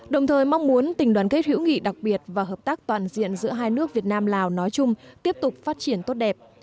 đồng thời mong muốn tình đoàn kết hữu nghị đặc biệt và hợp tác toàn diện giữa hai nước việt nam lào nói chung tiếp tục phát triển tốt đẹp